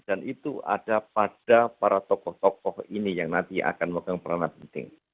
dan itu ada pada para tokoh tokoh ini yang nanti akan memegang peranan penting